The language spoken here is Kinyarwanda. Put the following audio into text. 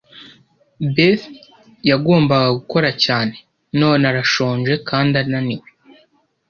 Beth yagombaga gukora cyane, none arashonje kandi ananiwe.